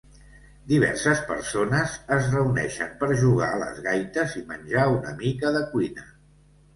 Diverses persones es reuneixen per jugar a les gaites i menjar una mica de cuina